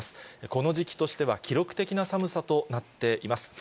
この時期としては記録的な寒さとなっています。